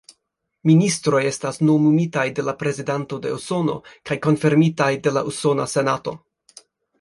Ministroj estas nomumitaj de la Prezidanto de Usono kaj konfirmitaj de la Usona Senato.